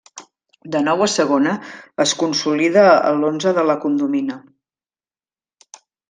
De nou a Segona, es consolida a l'onze de La Condomina.